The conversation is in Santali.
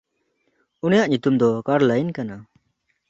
ᱩᱱᱤᱭᱟᱜ ᱧᱩᱛᱩᱢ ᱫᱚ ᱠᱟᱭᱲᱞᱟᱹᱭᱤᱱ ᱠᱟᱱᱟ᱾